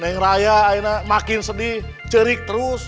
neng raya makin sedih cerik terus